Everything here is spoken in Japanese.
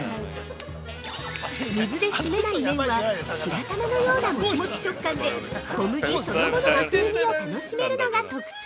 ◆水で締めない麺は白玉のようなモチモチ食感で小麦そのものの風味を楽しめるのが特徴！